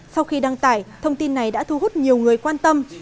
sau khi đăng tải thông tin này đã thu hút nhiều người quan tâm